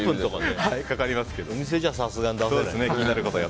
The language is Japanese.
お店じゃさすがに出せないよね。